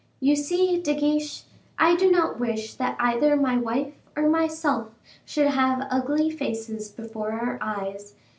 You see, De Guiche, I do not wish that either my wife or myself should have ugly faces before our eyes.